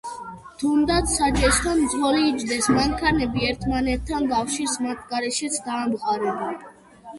თუნდაც საჭესთან მძღოლი იჯდეს, მანქანები ერთმანეთთან კავშირს მათ გარეშეც დაამყარებენ.